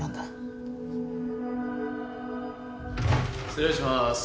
失礼しまーす。